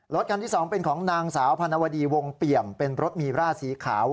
คันที่๒เป็นของนางสาวพนวดีวงเปี่ยมเป็นรถมีร่าสีขาว